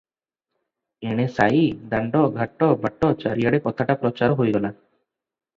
ଏଣେ ସାଇ, ଦାଣ୍ଡ, ଘାଟ, ବାଟ, ଚାରିଆଡ଼େ କଥାଟା ପ୍ରଚାର ହୋଇଗଲା ।